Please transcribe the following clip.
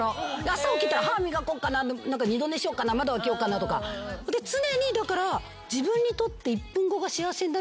朝起きたら歯磨こうかな二度寝しようかな窓開けようかなとか常に自分にとって。